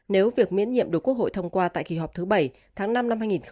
nếu việc miễn nhiệm được quốc hội thông qua tại kỳ họp thứ bảy tháng năm năm hai nghìn hai mươi